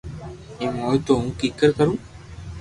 ايم ھوئي تو ھون ڪيڪر ڪرو